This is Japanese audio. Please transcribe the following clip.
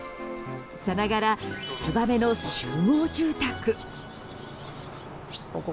さながら、ツバメの集合住宅。